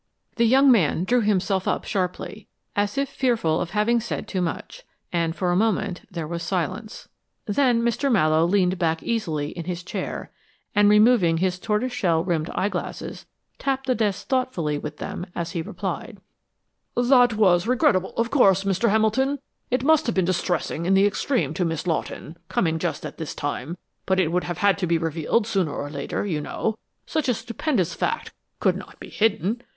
The young man drew himself up sharply, as if fearful of having said too much, and for a moment there was silence. Then Mr. Mallowe leaned back easily in his chair and, removing his tortoise shell rimmed eyeglasses, tapped the desk thoughtfully with them as he replied: "That was regrettable, of course, Mr. Hamilton. It must have been distressing in the extreme to Miss Lawton, coming just at this time, but it would have had to be revealed sooner or later, you know such a stupendous fact could not be hidden.